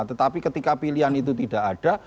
tetapi ketika pilihan itu tidak ada